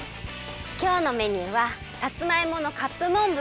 きょうのメニューはさつまいものカップモンブランにきまり！